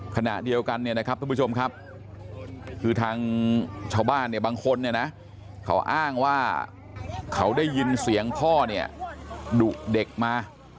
ขณะเดียวกันเนี่ยนะครับทุกผู้ชมครับคือทางชาวบ้านเนี่ยบางคนเนี่ยนะเขาอ้างว่าเขาได้ยินเสียงพ่อเนี่ยดุเด็กมา